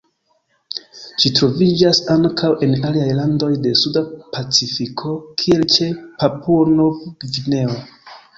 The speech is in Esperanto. Ĝi troviĝas ankaŭ en aliaj landoj de Suda Pacifiko, kiel ĉe Papuo-Nov-Gvineo.